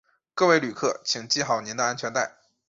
各位旅客请系好你的安全带